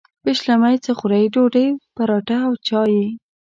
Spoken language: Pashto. پیشلمۍ څه خورئ؟ ډوډۍ، پراټه او چاي